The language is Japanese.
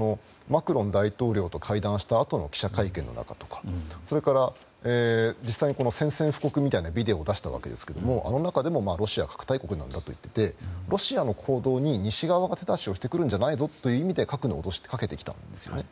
今回も、マクロン大統領と会談したあとの記者会見の中とかそれから、実際に宣戦布告みたいなビデオを出したわけですがあの中でもロシアは核大国といっていてロシアの行動に西側が手出しをしてくるんじゃないぞという意味で核の脅しをかけてきたんですね。